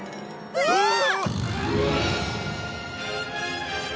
うわあっ！